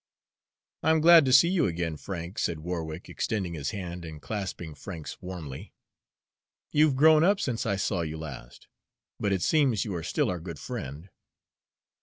"I'm glad to see you again, Frank," said Warwick, extending his hand and clasping Frank's warmly. "You've grown up since I saw you last, but it seems you are still our good friend."